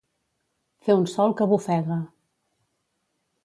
Fer un sol que bofega.